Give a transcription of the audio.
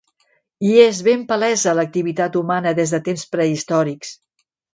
Hi és ben palesa l'activitat humana des de temps prehistòrics.